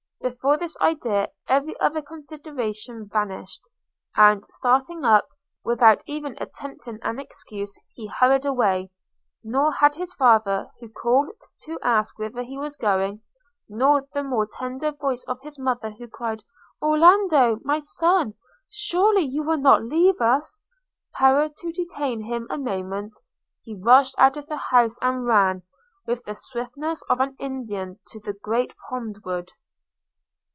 Before this idea, every other consideration vanished; and, starting up, without even attempting an excuse, he hurried away: nor had his father, who called to ask whither he was going – nor the more tender voice of his mother, who cried, 'Orlando! my son! surely you will not leave us!' power to detain him a moment. He rushed out of the house, and ran, with the swiftness of an Indian, to the great pond wood.